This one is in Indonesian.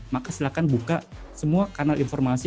maka silakan buka semua kanal informasi